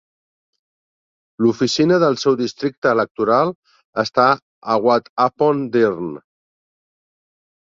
L'oficina del seu districte electoral està a Wath-upon-Dearne.